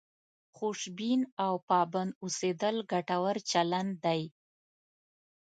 خوشبین او پابند اوسېدل ګټور چلند دی.